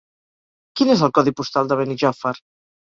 Quin és el codi postal de Benijòfar?